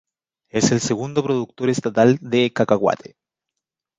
Es el segundo productor estatal de cacahuate.